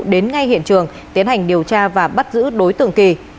đến ngay hiện trường tiến hành điều tra và bắt giữ đối tượng kỳ